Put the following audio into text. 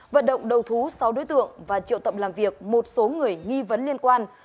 vận động đầu thú sáu đối tượng và triệu tập làm việc một số người nghi vấn liên quan